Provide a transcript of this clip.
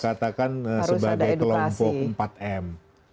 katakan sebagai kelompok empat m